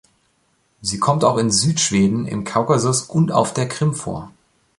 Sie kommt auch in Südschweden, im Kaukasus und auf der Krim vor.